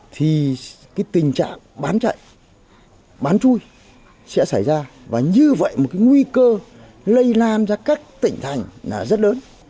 thì cái tình trạng bán chạy bán chui sẽ xảy ra và như vậy một cái nguy cơ lây lan ra các tỉnh thành là rất lớn